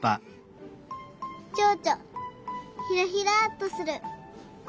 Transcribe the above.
ちょうちょひらひらっとする。